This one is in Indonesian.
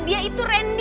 dia itu randy